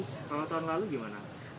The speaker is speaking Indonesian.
kalau tahun lalu gimana